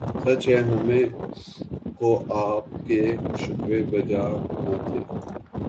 سچ ہے ہمیں کو آپ کے شکوے بجا نہ تھے